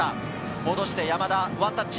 戻して山田、ワンタッチ。